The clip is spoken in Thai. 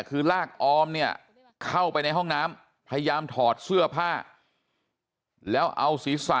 คือลากออมเนี่ยเข้าไปในห้องน้ำพยายามถอดเสื้อผ้าแล้วเอาศีรษะ